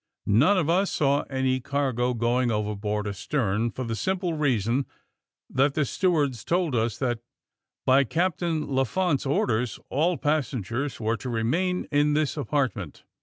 ''None of us saw any cargo going overboard astern for the simple reason that the stewards told us that, by Captain La fonte's orders, all passengers were to remain in this apartment.